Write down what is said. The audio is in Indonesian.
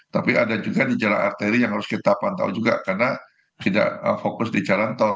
tapi ada juga di jalan arteri yang harus kita pantau juga karena tidak fokus di jalan tol